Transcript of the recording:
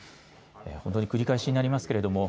本当に繰り返しになりますけれども。